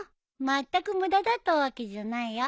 まったく無駄だったわけじゃないよ。